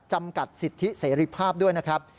จำกัดสิทธิเสรีภาพด้วยนะครับ